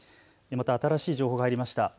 また新しい情報が入りました。